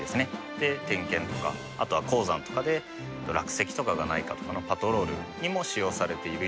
で点検とかあとは鉱山とかで落石とかがないかとかのパトロールにも使用されているようですね。